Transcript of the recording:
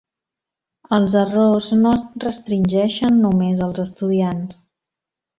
Els errors no es restringeixen només als estudiants.